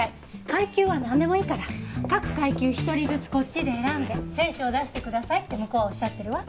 階級はなんでもいいから各階級１人ずつこっちで選んで選手を出してくださいって向こうはおっしゃってるわ。